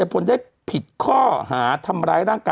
กรมป้องกันแล้วก็บรรเทาสาธารณภัยนะคะ